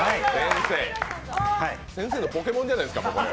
先生のポケモンじゃないですか、これ。